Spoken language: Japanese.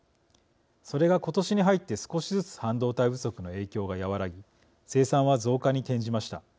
それが今年に入って少しずつ半導体不足の影響が和らぎ生産は増加に転じました。